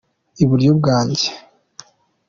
iburyo bwanjye.